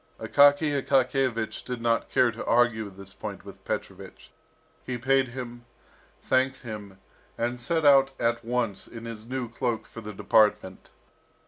Akaky Akakiyevich did not care to argue this point with Petrovich. He paid him, thanked him, and set out at once in his new cloak for the department.